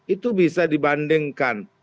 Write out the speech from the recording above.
itu bisa dibandingkan